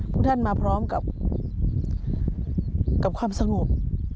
พวกท่านมาพร้อมกับความสงบ